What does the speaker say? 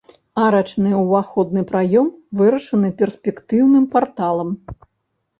Арачны ўваходны праём вырашаны перспектыўным парталам.